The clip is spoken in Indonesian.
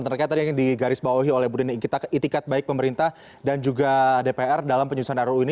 ternyata tadi yang digarisbawahi oleh bu deni kita itikat baik pemerintah dan juga dpr dalam penyusulan ru ini